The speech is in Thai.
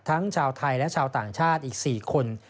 ทั้งชาวไทยและชาวต่างชาติอีก๔คน